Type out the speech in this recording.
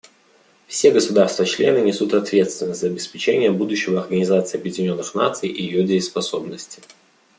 Все государства-члены несут ответственность за обеспечение будущего Организации Объединенных Наций и ее дееспособности.